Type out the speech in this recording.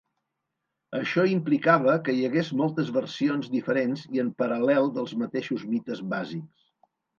Això implicava que hi hagués moltes versions diferents i en paral·lel dels mateixos mites bàsics.